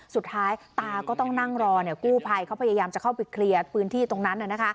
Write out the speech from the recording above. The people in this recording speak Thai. สุดท้ายตาก็ต้องนั่งรอกู้ภัยเขาพยายามจะเข้าไปเคลียร์พื้นที่ตรงนั้น